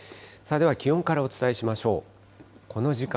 では気温からお伝えしましょう。